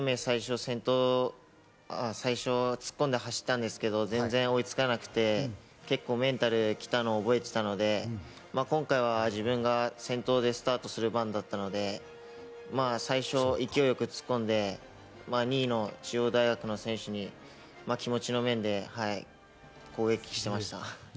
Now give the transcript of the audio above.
２年前、優勝した時に２位で自分がスタートして一生懸命、最初先頭を突っ込んで走ったんですけど、全然追いつかなくて、結構、メンタルに来たのを覚えていたので今回は自分が先頭でスタートする番だったので、最初、勢いよく突っ込んで、２位の中央大学の選手に気持ちの面で攻撃してました。